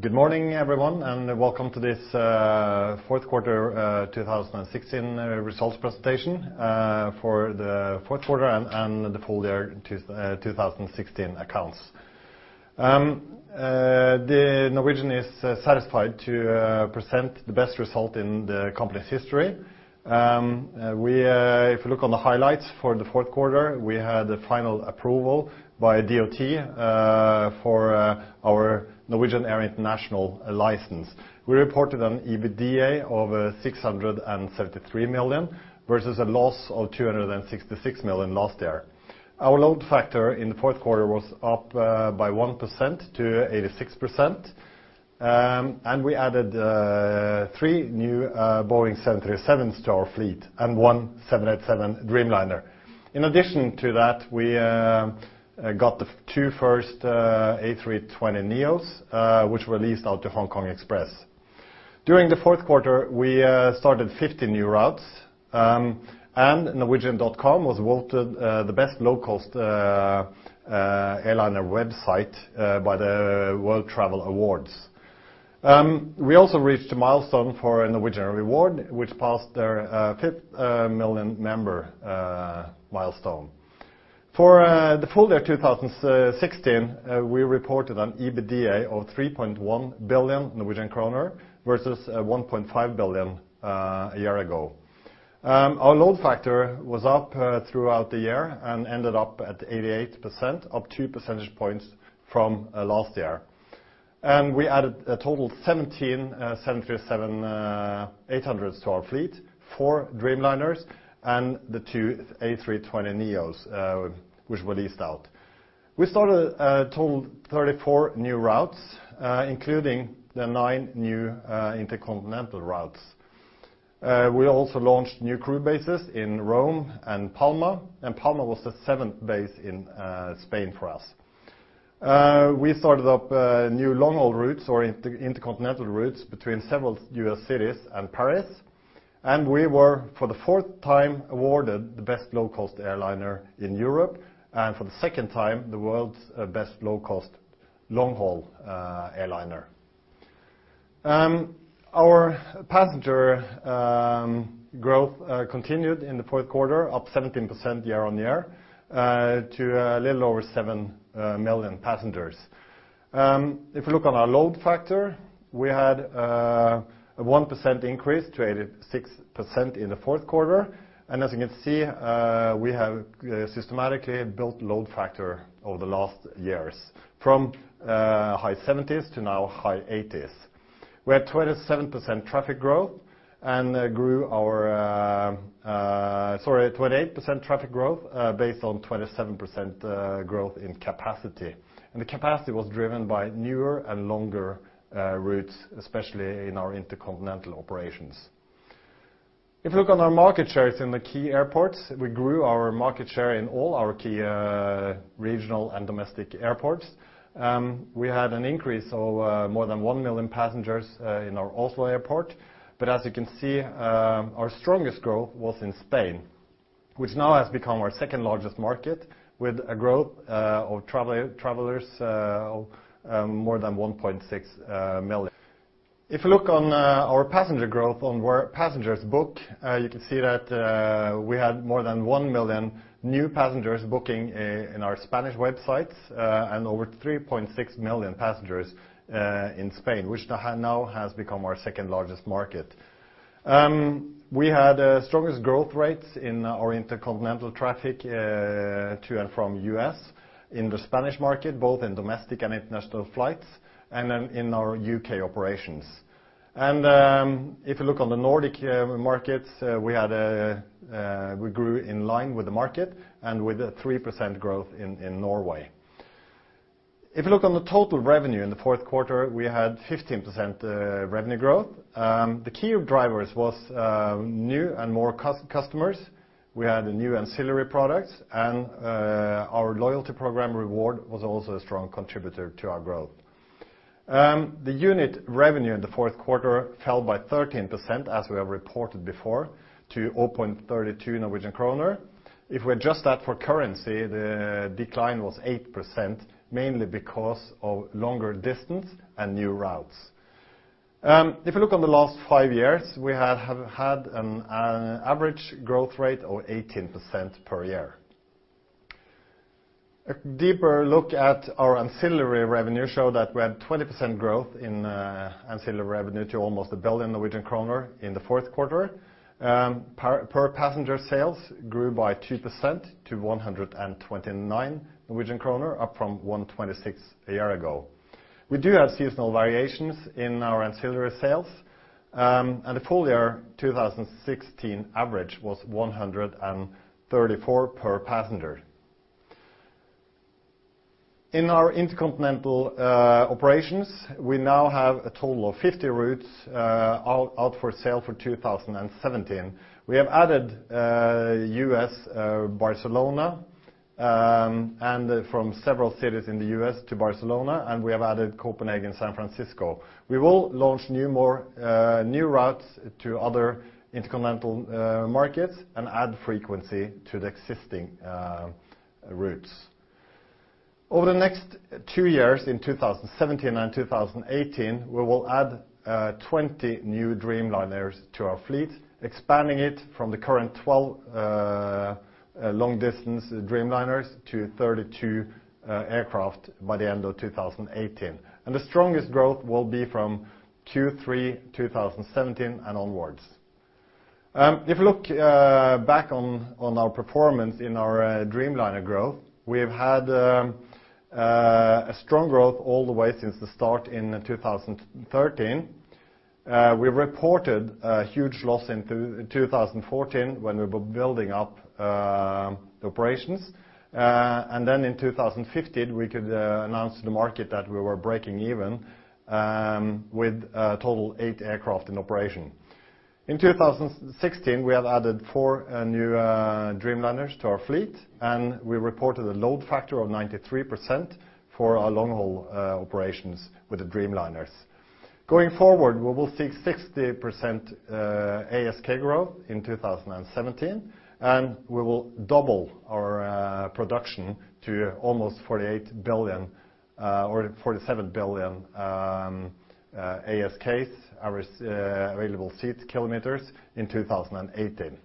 Good morning, everyone, welcome to this fourth quarter 2016 results presentation for the fourth quarter and the full year 2016 accounts. Norwegian is satisfied to present the best result in the company's history. If you look on the highlights for the fourth quarter, we had the final approval by DOT for our Norwegian Air International license. We reported an EBITDA of 673 million versus a loss of 266 million last year. Our load factor in the fourth quarter was up by 1% to 86%, and we added three new Boeing 737s to our fleet and one 787 Dreamliner. In addition to that, we got the two first A320neos, which were leased out to HK Express. During the fourth quarter, we started 50 new routes, and norwegian.com was voted the best low-cost airline website by the World Travel Awards. We also reached a milestone for Norwegian Reward, which passed their fifth million member milestone. For the full year 2016, we reported an EBITDA of 3.1 billion Norwegian kroner versus 1.5 billion a year ago. Our load factor was up throughout the year and ended up at 88%, up two percentage points from last year. We added a total of 17 737-800s to our fleet, four Dreamliners, and the two A320neos, which were leased out. We started a total of 34 new routes, including the nine new intercontinental routes. We also launched new crew bases in Rome and Palma. Palma was the seventh base in Spain for us. We started up new long-haul routes or intercontinental routes between several U.S. cities and Paris. We were, for the fourth time, awarded the best low-cost airline in Europe, and for the second time, the world's best low-cost long-haul airline. Our passenger growth continued in the fourth quarter, up 17% year-on-year, to a little over seven million passengers. If you look on our load factor, we had a 1% increase to 86% in the fourth quarter. As you can see, we have systematically built load factor over the last years, from high 70s to now high 80s. We had 28% traffic growth based on 27% growth in capacity. The capacity was driven by newer and longer routes, especially in our intercontinental operations. If you look on our market shares in the key airports, we grew our market share in all our key regional and domestic airports. We had an increase of more than one million passengers in our Oslo Airport. As you can see, our strongest growth was in Spain, which now has become our second-largest market, with a growth of travelers of more than 1.6 million. If you look on our passenger growth on where passengers book, you can see that we had more than one million new passengers booking in our Spanish websites and over 3.6 million passengers in Spain, which now has become our second-largest market. We had our strongest growth rates in our intercontinental traffic to and from the U.S., in the Spanish market, both in domestic and international flights, and then in our U.K. operations. If you look on the Nordic markets, we grew in line with the market and with a 3% growth in Norway. If you look on the total revenue in the fourth quarter, we had 15% revenue growth. The key drivers was new and more customers. We had new ancillary products. Our loyalty program Norwegian Reward was also a strong contributor to our growth. The unit revenue in the fourth quarter fell by 13%, as we have reported before, to 0.32 Norwegian kroner. If we adjust that for currency, the decline was 8%, mainly because of longer distance and new routes. If you look on the last five years, we have had an average growth rate of 18% per year. A deeper look at our ancillary revenue show that we had 20% growth in ancillary revenue to almost 1 billion Norwegian kroner in the fourth quarter. Per passenger sales grew by 2% to 129 Norwegian kroner, up from 126 a year ago. We do have seasonal variations in our ancillary sales. The full year 2016 average was 134 per passenger. In our intercontinental operations, we now have a total of 50 routes out for sale for 2017. We have added U.S., Barcelona, and from several cities in the U.S. to Barcelona, and we have added Copenhagen, San Francisco. We will launch new routes to other intercontinental markets and add frequency to the existing routes. Over the next two years, in 2017 and 2018, we will add 20 new Dreamliners to our fleet, expanding it from the current 12 long distance Dreamliners to 32 aircraft by the end of 2018. The strongest growth will be from Q3 2017 and onwards. If you look back on our performance in our Dreamliner growth, we've had a strong growth all the way since the start in 2013. We reported a huge loss in 2014 when we were building up operations. In 2015, we could announce to the market that we were breaking even, with a total eight aircraft in operation. In 2016, we have added four new Dreamliners to our fleet, and we reported a load factor of 93% for our long-haul operations with the Dreamliners. Going forward, we will see 60% ASK growth in 2017, and we will double our production to almost 47 billion ASKs, our available seat kilometers, in 2018.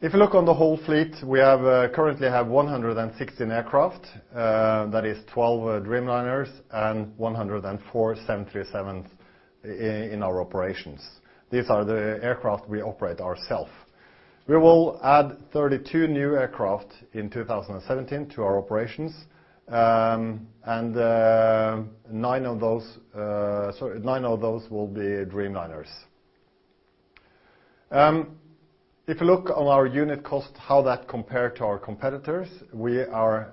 If you look on the whole fleet, we currently have 116 aircraft. That is 12 Dreamliners and 104 737s in our operations. These are the aircraft we operate ourself. We will add 32 new aircraft in 2017 to our operations. Nine of those will be Dreamliners. If you look on our unit cost, how that compare to our competitors, we are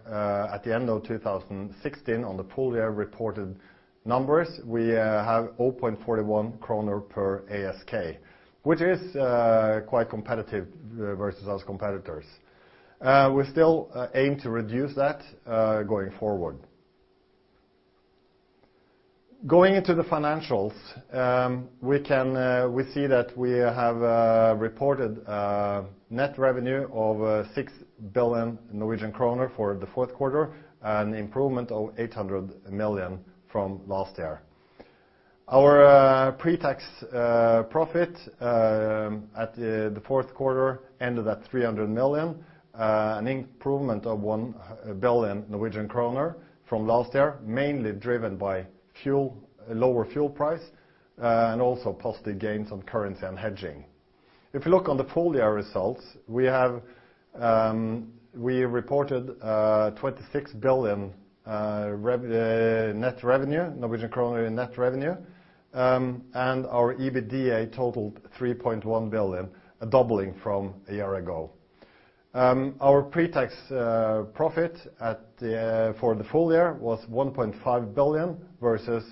at the end of 2016 on the full year reported numbers. We have 0.41 kroner per ASK, which is quite competitive versus those competitors. We still aim to reduce that going forward. Going into the financials, we see that we have reported net revenue of 6 billion Norwegian kroner for the fourth quarter, an improvement of 800 million from last year. Our pre-tax profit at the fourth quarter ended at 300 million, an improvement of 1 billion Norwegian kroner from last year, mainly driven by lower fuel price and also positive gains on currency and hedging. If you look on the full year results, we reported 26 billion in net revenue. Our EBITDA totaled 3.1 billion, a doubling from a year ago. Our pre-tax profit for the full year was 1.5 billion versus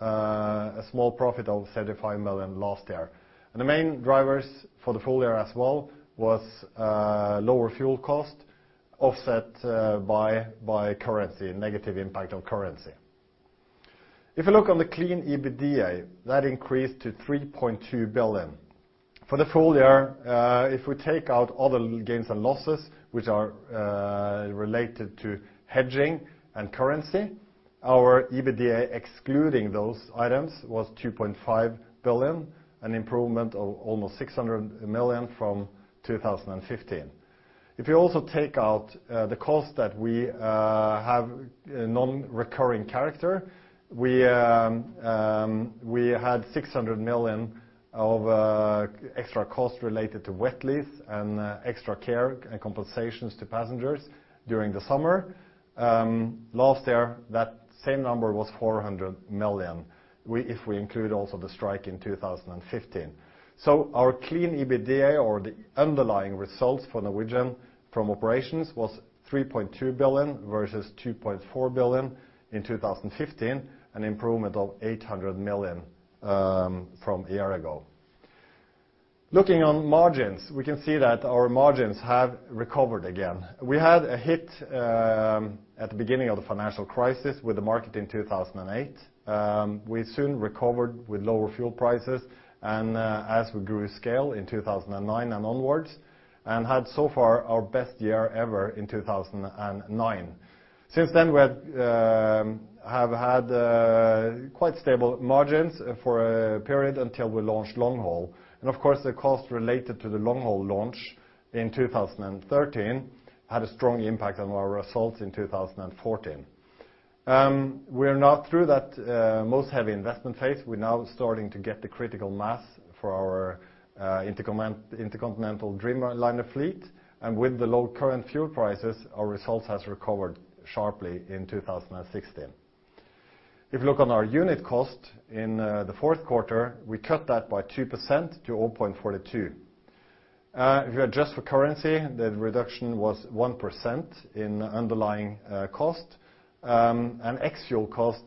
a small profit of 75 million last year. The main drivers for the full year as well was lower fuel cost offset by negative impact on currency. If you look on the clean EBITDA, that increased to 3.2 billion. For the full year, if we take out other gains and losses which are related to hedging and currency, our EBITDA excluding those items was 2.5 billion, an improvement of almost 600 million from 2015. If you also take out the cost that we have non-recurring character, we had 600 million of extra cost related to wet lease and extra care and compensations to passengers during the summer. Last year, that same number was 400 million, if we include also the strike in 2015. Our clean EBITDA or the underlying results for Norwegian from operations was 3.2 billion versus 2.4 billion in 2015, an improvement of 800 million from a year ago. Looking on margins, we can see that our margins have recovered again. We had a hit at the beginning of the financial crisis with the market in 2008. We soon recovered with lower fuel prices as we grew scale in 2009 and onwards, and had so far our best year ever in 2009. Since then, we have had quite stable margins for a period until we launched long haul. Of course, the cost related to the long-haul launch in 2013 had a strong impact on our results in 2014. We are now through that most heavy investment phase. We are now starting to get the critical mass for our intercontinental Dreamliner fleet. With the low current fuel prices, our results has recovered sharply in 2016. If you look on our unit cost in the fourth quarter, we cut that by 2% to 0.42. If you adjust for currency, the reduction was 1% in underlying cost. Ex-fuel cost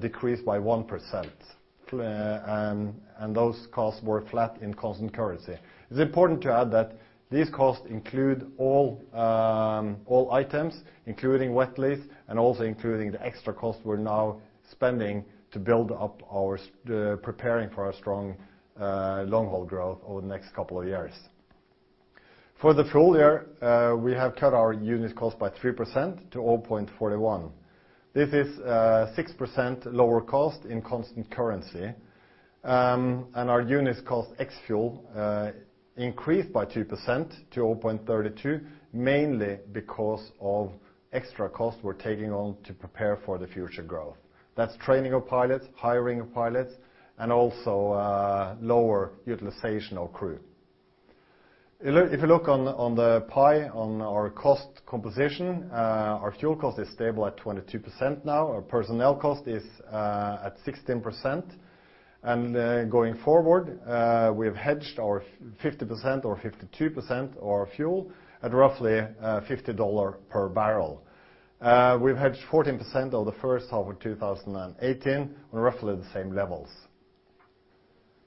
decreased by 1%, and those costs were flat in constant currency. It is important to add that these costs include all items, including wet lease and also including the extra cost we are now spending to build up preparing for our strong long-haul growth over the next couple of years. For the full year, we have cut our unit cost by 3% to 0.41. This is 6% lower cost in constant currency. Our unit cost ex-fuel increased by 2% to 0.32, mainly because of extra cost we are taking on to prepare for the future growth. That is training of pilots, hiring of pilots, and also lower utilization of crew. If you look on the pie on our cost composition, our fuel cost is stable at 22% now. Our personnel cost is at 16%. Going forward, we have hedged our 50% or 52% of our fuel at roughly $50 per barrel. We have hedged 14% of the first half of 2018 on roughly the same levels.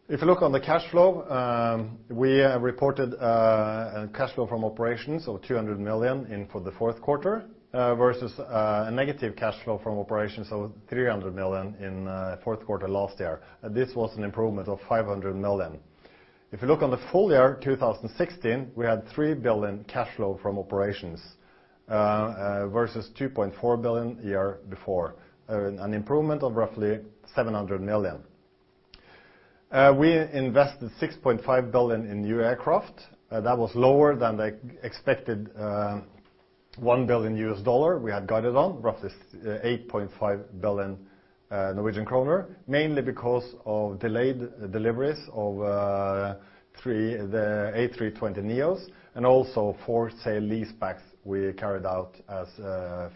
If you look on the cash flow, we reported a cash flow from operations of 200 million for the fourth quarter, versus a negative cash flow from operations of 300 million in fourth quarter last year. This was an improvement of 500 million. If you look on the full year 2016, we had 3 billion cash flow from operations, versus 2.4 billion year before, an improvement of roughly 700 million. We invested 6.5 billion in new aircraft. That was lower than the expected $1 billion we had guided on, roughly 8.5 billion Norwegian kroner, mainly because of delayed deliveries of the A320neos and also four sale-leasebacks we carried out as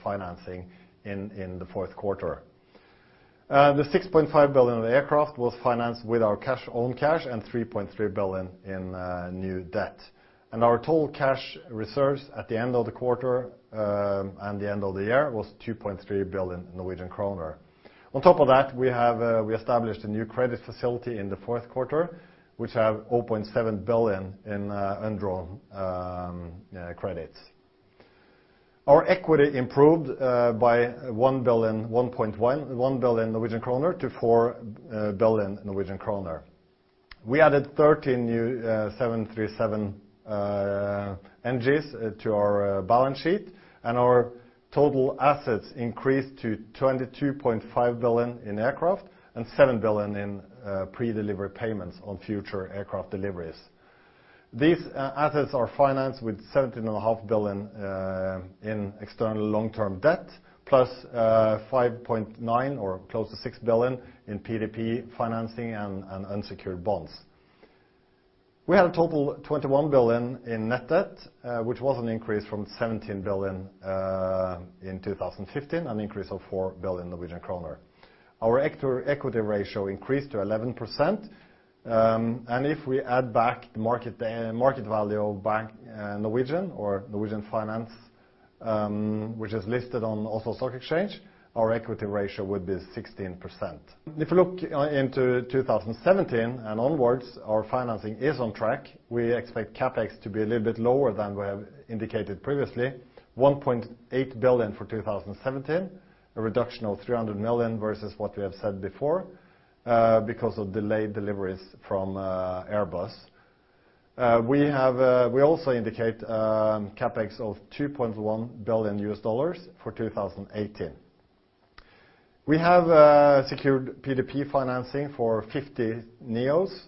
financing in the fourth quarter. The 6.5 billion of aircraft was financed with our own cash and 3.3 billion in new debt. Our total cash reserves at the end of the quarter, and the end of the year was 2.3 billion Norwegian kroner. On top of that, we established a new credit facility in the fourth quarter, which have 0.7 billion in undrawn credits. Our equity improved by 1 billion to 4 billion Norwegian kroner. We added 13 new 737NGs to our balance sheet, and our total assets increased to 22.5 billion in aircraft and 7 billion in pre-delivery payments on future aircraft deliveries. These assets are financed with 17.5 billion in external long-term debt, plus 5.9 billion or close to 6 billion in PDP financing and unsecured bonds. We had a total 21 billion in net debt, which was an increase from 17 billion in 2015, an increase of 4 billion Norwegian kroner. Our equity ratio increased to 11%. If we add back market value of Bank Norwegian or Norwegian Finans Holding, which is listed on Oslo Stock Exchange, our equity ratio would be 16%. If you look into 2017 and onwards, our financing is on track. We expect CapEx to be a little bit lower than we have indicated previously, 1.8 billion for 2017, a reduction of 300 million versus what we have said before, because of delayed deliveries from Airbus. We also indicate CapEx of $2.1 billion for 2018. We have secured PDP financing for 50 NEOs.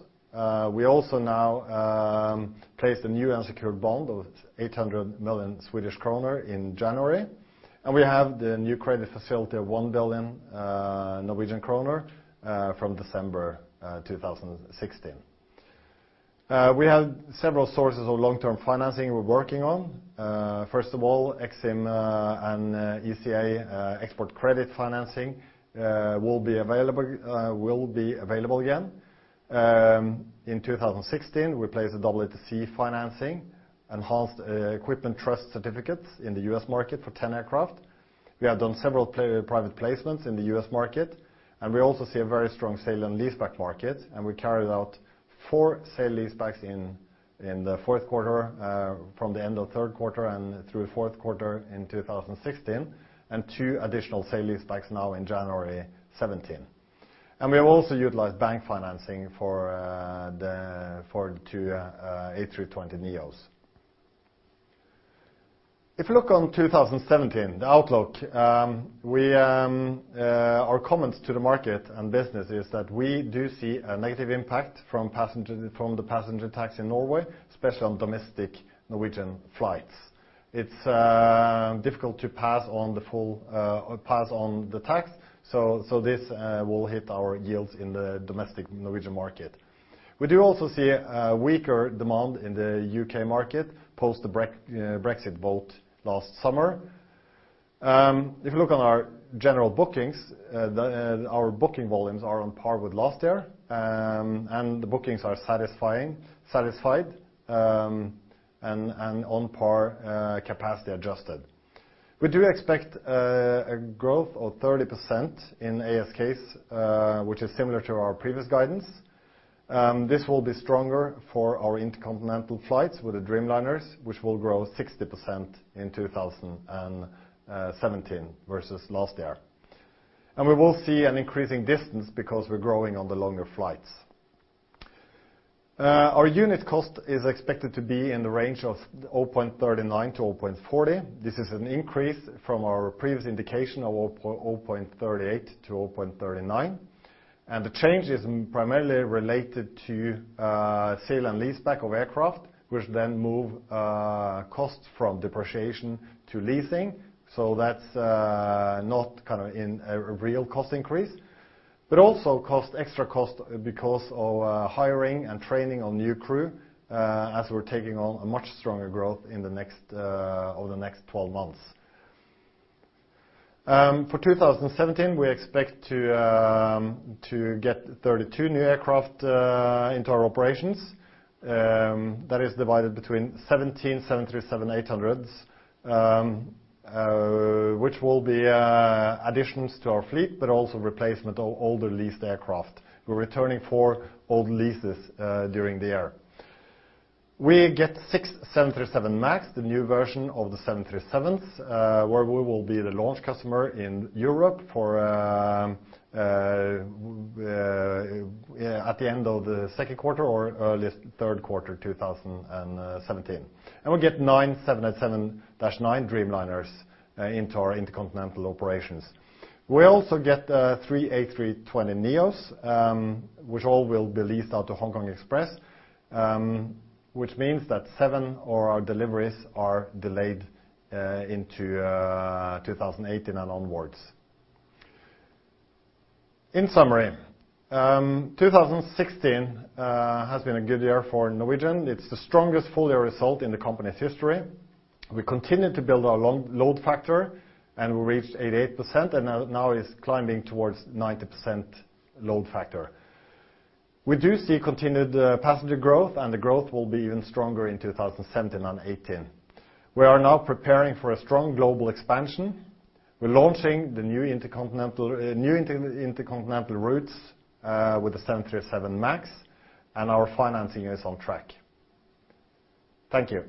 We also now placed a new unsecured bond of 800 million Swedish kronor in January. We have the new credit facility of 1 billion Norwegian kroner from December 2016. We have several sources of long-term financing we're working on. First of all, EXIM and ECA export credit financing will be available again. In 2016, we placed EETC financing, Enhanced Equipment Trust Certificates in the U.S. market for 10 aircraft. We have done several private placements in the U.S. market, we also see a very strong sale-leaseback market, and we carried out four sale-leasebacks in the fourth quarter, from the end of third quarter and through fourth quarter in 2016, and two additional sale-leasebacks now in January 2017. We have also utilized bank financing for the two A320neos. If you look on 2017, the outlook, our comments to the market and business is that we do see a negative impact from the passenger tax in Norway, especially on domestic Norwegian flights. It's difficult to pass on the tax. This will hit our yields in the domestic Norwegian market. We do also see a weaker demand in the U.K. market post the Brexit vote last summer. If you look on our general bookings, our booking volumes are on par with last year. The bookings are satisfied and on par capacity adjusted. We do expect a growth of 30% in ASK, which is similar to our previous guidance. This will be stronger for our intercontinental flights with the Dreamliners, which will grow 60% in 2017 versus last year. We will see an increasing distance because we're growing on the longer flights. Our unit cost is expected to be in the range of 0.39-0.40. This is an increase from our previous indication of 0.38-0.39. The change is primarily related to sale-leaseback of aircraft, which then move costs from depreciation to leasing. That's not a real cost increase, but also extra cost because of hiring and training on new crew, as we're taking on a much stronger growth over the next 12 months. For 2017, we expect to get 32 new aircraft into our operations. That is divided between 17 737-800s, which will be additions to our fleet, but also replacement of older leased aircraft. We're returning four old leases during the year. We get six 737 MAX, the new version of the 737s, where we will be the launch customer in Europe at the end of the second quarter or early third quarter 2017. We get nine 787-9 Dreamliners into our intercontinental operations. We also get three A320neo, which all will be leased out to HK Express, which means that seven of our deliveries are delayed into 2018 and onwards. In summary, 2016 has been a good year for Norwegian. It's the strongest full-year result in the company's history. We continue to build our load factor, and we reached 88%, and now it is climbing towards 90% load factor. We do see continued passenger growth, and the growth will be even stronger in 2017 and 2018. We are now preparing for a strong global expansion. We're launching the new intercontinental routes with the 737 MAX, our financing is on track. Thank you.